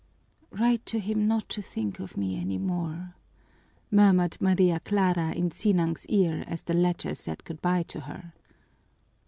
"Write to him not to think of me any more," murmured Maria Clara in Sinang's ear as the latter said good by to her.